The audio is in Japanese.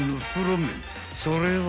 ［それは］